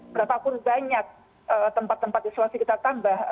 berapapun banyak tempat tempat isolasi kita tambah